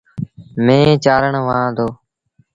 مينهن چآرڻ وهآن دو۔